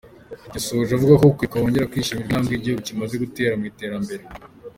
Yasoje avuga ko mu kwibuka hongera kwishimirwa intambwe igihugu kimaze gutera mu iterambere.